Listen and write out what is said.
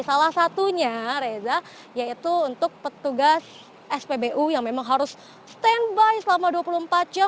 salah satunya reza yaitu untuk petugas spbu yang memang harus standby selama dua puluh empat jam